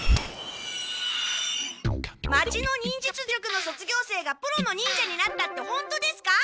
町の忍術塾の卒業生がプロの忍者になったってほんとですか？